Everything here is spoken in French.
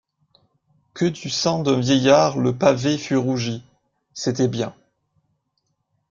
Que du sang d’un vieillard le pavé fût rougi, C’était bien.